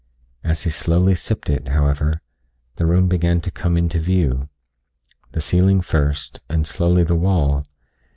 As he slowly sipped it, however, the room began to come into view the ceiling first and slowly the wall.